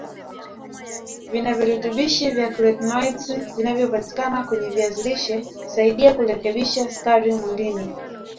vinavirutubishi vya karotenoids vinavyopatikana kwenye viazi lishe husaidia kurekebisha sukari mwilini